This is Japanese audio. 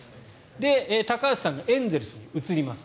高橋さんがエンゼルスに移ります。